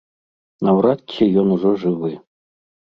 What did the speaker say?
Наўрад ці ён ужо жывы.